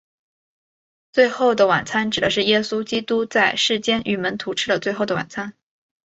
最后的晚餐指的是耶稣基督在世间与门徒吃的最后的晚餐。